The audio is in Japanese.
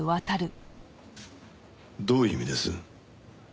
どういう意味です？